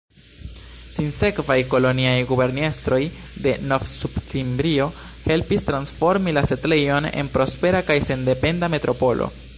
Sinsekvaj koloniaj guberniestroj de Novsudkimrio helpis transformi la setlejon en prospera kaj sendependa metropolo.